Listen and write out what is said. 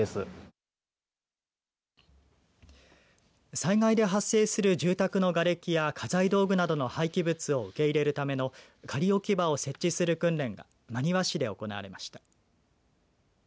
災害で発生する住宅のがれきや家財道具などの廃棄物を受け入れるための仮置場を設置する訓練が真庭市で行われました。